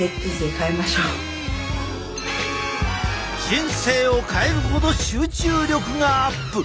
人生を変えるほど集中力がアップ。